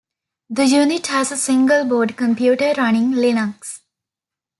The unit has a single-board computer running Linux.